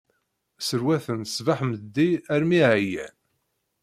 Serwaten sbeḥ-meḍḍi armi ɛyan